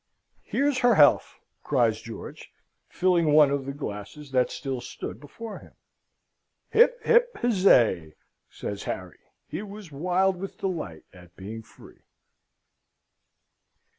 "Here's her health!" cries George, filling one of the glasses that still stood before him. "Hip, hip, huzzay!" says Harry. He was wild with delight at being free.